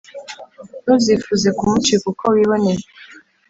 Ntuzifuze kumucika uko wiboneye